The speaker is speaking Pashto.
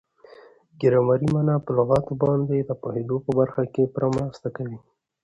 ګرامري مانا په لغاتو باندي د پوهېدو په برخه کښي پوره مرسته کوي.